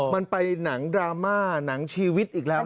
มันไปหนังดราม่าหนังชีวิตอีกแล้ว